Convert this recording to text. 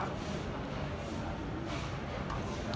อันที่สุดท้ายก็คือภาษาอันที่สุดท้าย